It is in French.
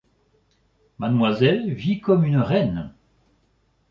Mademoiselle vit comme une reine.